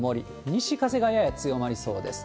西風がやや強まりそうです。